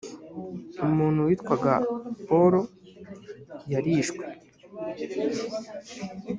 umuntu witwaga polo yarishwe